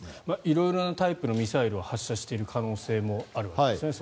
色々なタイプのミサイルを発射している可能性もあるわけですね。